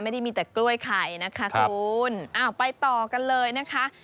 ไม่ได้มีแต่กล้วยไข่นะคะคุณอ้าวไปต่อกันเลยนะคะ